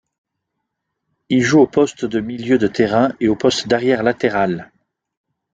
Il joue au poste de milieu de terrain et au poste d’arrière latéral.